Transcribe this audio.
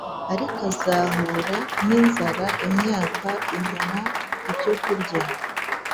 Uruk azahura ninzara imyaka amuha ibyokurya